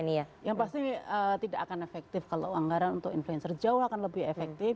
yang pasti tidak akan efektif kalau anggaran untuk influencer jauh akan lebih efektif